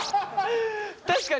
確かに。